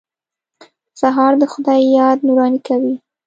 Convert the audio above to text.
سهار د خدای یاد نوراني کوي.